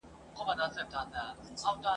چي غلیم یې هم د سر هم د ټبر وي ..